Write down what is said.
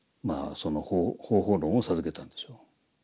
その方法論を授けたんでしょう。